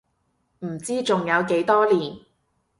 唔知仲有幾多年